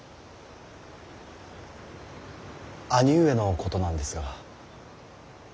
兄上のことなんですが。